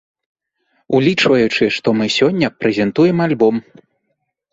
Улічваючы, што мы сёння прэзентуем альбом.